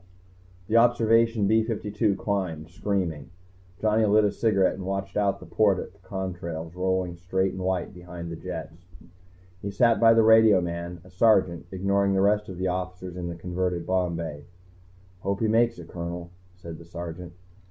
The Observation B 52 climbed, screaming. Johnny lit a cigarette and watched out the port at the contrails rolling straight and white behind the jets. He sat by the radioman, a Sergeant, ignoring the rest of the officers in the converted bomb bay. "Hope he makes it, Colonel," said the Sergeant.